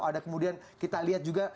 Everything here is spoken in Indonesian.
ada kemudian kita lihat juga